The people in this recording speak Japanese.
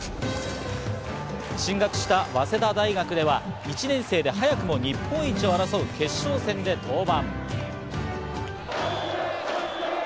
進学した早稲田大学では１年生で早くも日本一を争う決勝戦で登板。